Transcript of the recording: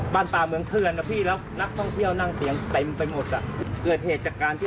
ไม่รู้ว่าตรงนู้นสาเหตุจากอะไร